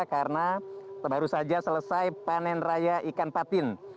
karena baru saja selesai panen raya ikan patin